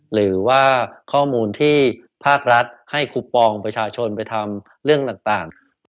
หรือว่าข้อมูลที่ภาครัฐให้คูปองประชาชนไปทำเรื่องต่าง